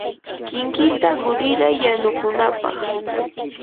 kinkita quriyay yanukunapaq.